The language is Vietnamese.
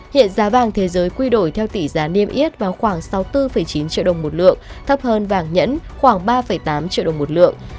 hiện giá vàng thế giới quy đổi theo tỷ giá niêm yết vào khoảng sáu mươi bốn chín triệu đồng một lượng thấp hơn vàng nhẫn khoảng ba tám triệu đồng một lượng